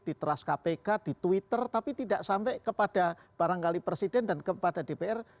di trust kpk di twitter tapi tidak sampai kepada barangkali presiden dan kepada dpr